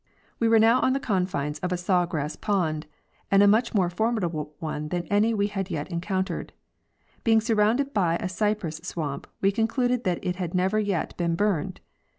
We were now on the confines of a saw grass pond, and a much more formidable one than any we had yet encountered. Being surrounded by a cypress swamp, we concluded that it had never yet been burned.